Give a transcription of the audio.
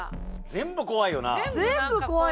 全部怖いよなんか。